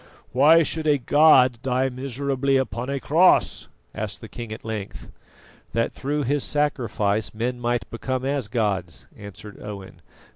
"Why should a God die miserably upon a cross?" asked the king at length. "That through His sacrifice men might become as gods," answered Owen.